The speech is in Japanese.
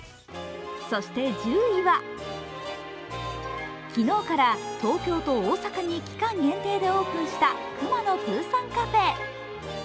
そして１０位は、昨日から東京と大阪に期間限定でオープンしたくまのプーさんカフェ。